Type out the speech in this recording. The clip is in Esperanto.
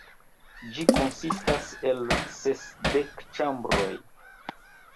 Ĝi konsistas el sesdek ĉambroj.